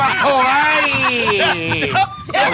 เดี๋ยว